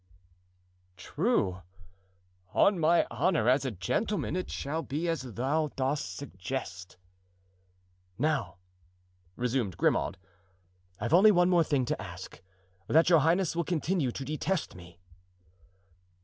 "True, on my honor as a gentleman it shall be as thou dost suggest." "Now," resumed Grimaud, "I've only one thing more to ask—that your highness will continue to detest me."